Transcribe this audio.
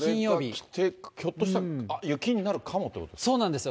これが来て、ひょっとしたら雪になるかもということですか。